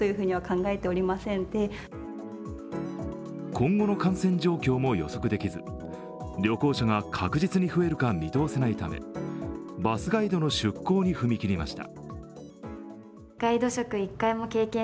今後の感染状況も予測できず旅行者が確実に増えるか見通せないためバスガイドの出向に踏み切りました。